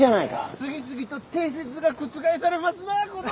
次々と定説が覆されますなぁご同輩！